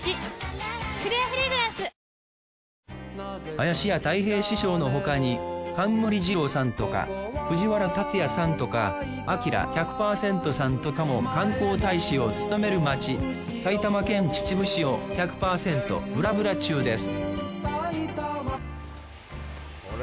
林家たい平師匠のほかに冠二郎さんとか藤原竜也さんとかアキラ１００％さんとかも観光大使を務める街埼玉県秩父市を１００％ブラブラ中です